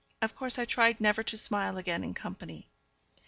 Of course I tried never to smile again in company.